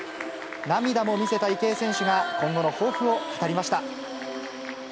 涙も見せた池江選手が、今後の抱負を語りました。